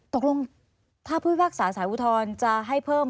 ตกลงถ้าผู้พิพากษาสารอุทธรณ์จะให้เพิ่ม